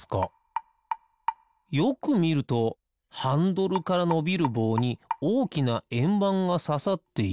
よくみるとハンドルからのびるぼうにおおきなえんばんがささっている。